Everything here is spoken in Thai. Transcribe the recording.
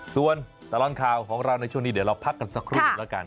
ส่วนตลอดข่าวของเราในช่วงนี้เดี๋ยวเราพักกันสักครู่หนึ่งแล้วกัน